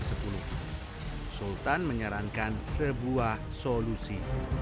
sultan menyarankan sebuah solusi